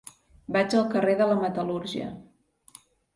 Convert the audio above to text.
Vaig al carrer de la Metal·lúrgia.